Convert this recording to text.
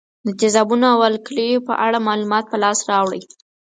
د تیزابونو او القلیو په اړه معلومات په لاس راوړئ.